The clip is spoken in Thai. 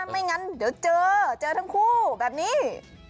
ไม่งั้นเดี๋ยวเจอเจอทั้งคู่แบบนี้